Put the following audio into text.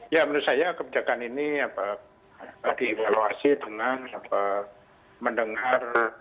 ya menurut saya kebijakan ini di evaluasi dengan mendengar